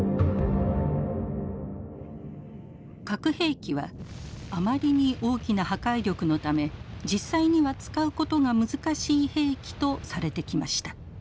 核兵器はあまりに大きな破壊力のため実際には使うことが難しい兵器とされてきました。